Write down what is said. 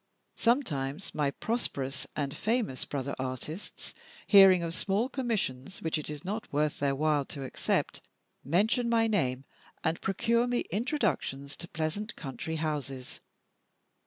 Sometimes my prosperous and famous brother artists, hearing of small commissions which it is not worth their while to accept, mention my name, and procure me introductions to pleasant country houses.